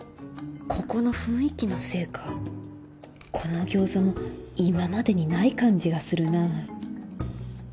ここの雰囲気のせいかこの餃子も今までにない感じがするな